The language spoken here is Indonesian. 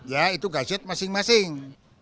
ya itu gadget masing masing